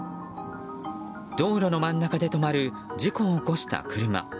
道路の真ん中で止まる事故を起こした車。